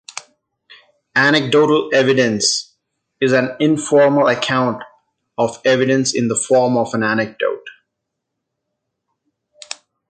Anecdotal evidence is an informal account of evidence in the form of an anecdote.